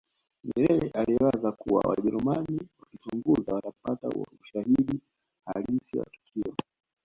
nyerere aliwaza kuwa wajerumani wakichunguza watapata ushahidi halisi wa tukio